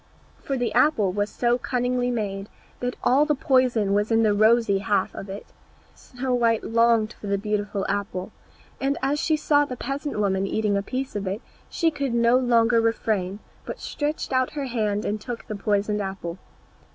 For the apple was so cunningly made, that all the poison was in the rosy half of it. Snow white longed for the beautiful apple, and as she saw the peasant woman eating a piece of it she could no longer refrain, but stretched out her hand and took the poisoned half.